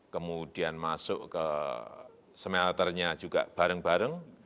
kemudian masuk ke smelternya juga bareng bareng